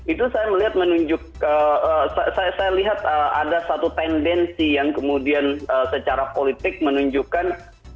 itu saya melihat menunjukkan saya lihat ada satu tendensi yang kemudian secara politik menunjukkan